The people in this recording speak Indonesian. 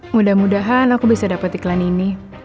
mudah mudahan aku bisa dapat iklan ini